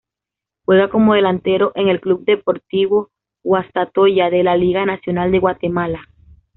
Juega como delantero en el club Deportivo Guastatoya de la Liga Nacional de Guatemala.